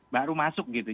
baru masuk gitu